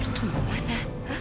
lu tuh mau mana